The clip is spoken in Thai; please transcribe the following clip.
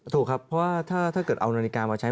ถูกครับเพราะว่าถ้าเกิดเอานาฬิกามาใช้